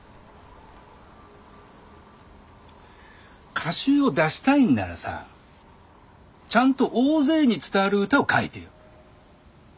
歌集を出したいんならさちゃんと大勢に伝わる歌を書いてよ。